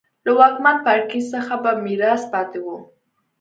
له واکمن پاړکي څخه په میراث پاتې وو.